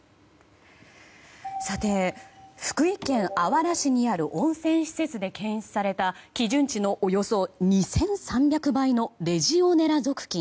さて、福井県あわら市にある温泉施設で検出された基準値のおよそ２３００倍のレジオネラ属菌。